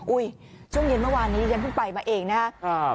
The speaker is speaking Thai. ช่วงเย็นเมื่อวานนี้ฉันเพิ่งไปมาเองนะครับ